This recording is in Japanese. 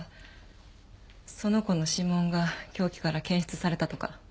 その子の指紋が凶器から検出されたとか。